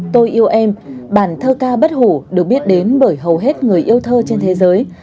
tôi yêu em bản thơ ca bất hủ được biết đến bởi hầu hết người yêu thơ trên thế giới